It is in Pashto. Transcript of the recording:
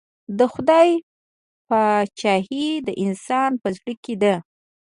د خدای پاچهي د انسان په زړه کې ده.